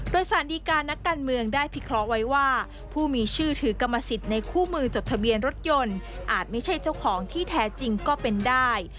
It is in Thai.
โดยสารดีการนักการเมืองได้พิเคราะห์ไว้ว่าผู้มีชื่อถือกรรมสิทธิ์ในคู่มือจดทะเบียนรถยนต์อาจไม่ใช่เจ้าของที่แท้จริงก็เป็นได้